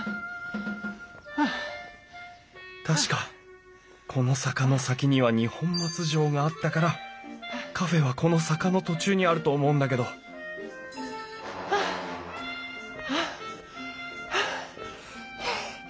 確かこの坂の先には二本松城があったからカフェはこの坂の途中にあると思うんだけどハアハアハアハアハアハア。